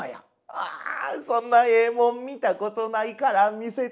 「あそんなええもん見たことないから見せてくれるか」。